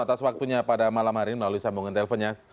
atas waktunya pada malam hari ini melalui sambungan teleponnya